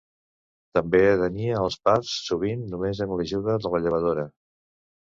També atenia els parts sovint només amb l'ajuda de la llevadora.